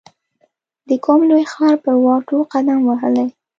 د کوم لوی ښار پر واټو قدم وهلی